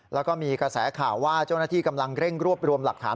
แล้วก็มีกระแสข่าวว่าเจ้าหน้าที่กำลังเร่งรวบรวมหลักฐาน